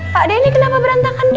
pak denny kenapa berantakan